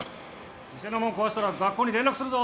店のもん壊したら学校に連絡するぞ。